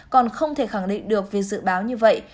còn không thể khẳng định được về dự báo như vậy